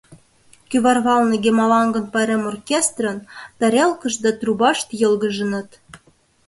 Кӱварвалне гемалангын пайрем оркестрын — тарелкышт да трубашт йылгыжыныт.